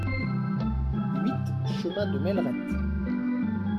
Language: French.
huit chemin de Mellerettes